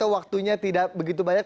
waktunya tidak begitu banyak